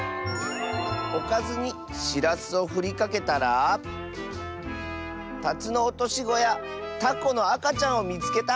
「おかずにしらすをふりかけたらタツノオトシゴやタコのあかちゃんをみつけた！」。